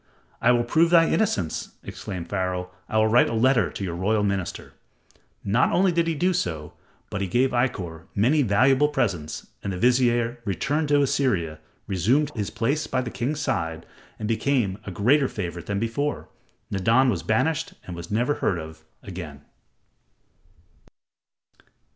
"I will prove thy innocence," exclaimed Pharaoh. "I will write a letter to your royal master." Not only did he do so, but he gave Ikkor many valuable presents and the vizier returned to Assyria, resumed his place by the king's side, and became a greater favorite than before. Nadan was banished and was never heard of again.